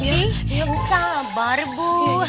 diam sabar bu